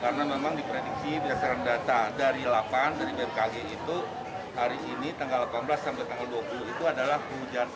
karena memang diprediksi berdasarkan data dari delapan dari bkg itu hari ini tanggal delapan belas sampai tanggal dua puluh itu adalah hujan